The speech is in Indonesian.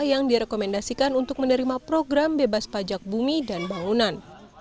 yang direkomendasikan untuk menerima program bebas pajak bumi dan bangunan